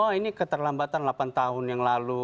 oh ini keterlambatan delapan tahun yang lalu